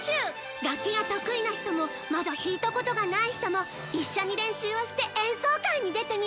楽器が得意な人もまだ弾いたことがない人も一緒に練習をして演奏会に出てみない？